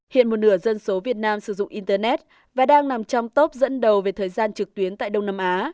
hiện một nửa dân số việt nam sử dụng internet và đang nằm trong top dẫn đầu về thời gian trực tuyến tại đông nam á